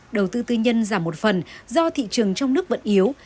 đầu tư tư nhân giảm một phần do thị trường trong nước vẫn yếu